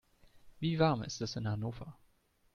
Wie warm ist es in Hannover?